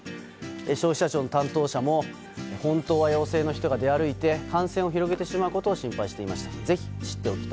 消費者庁の担当者も本当は陽性の人が出歩いて感染を広げてしまうことを心配していました。